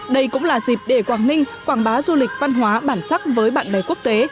đây cũng là dịp để quảng ninh quảng bá du lịch văn hóa bản sắc với bạn bè quốc tế